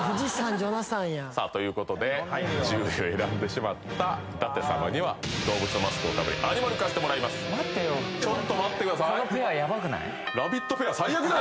ジョナサンやさあということで１０位を選んでしまった舘様には動物のマスクをかぶりアニマル化してもらいます待ってよこのペアヤバくない？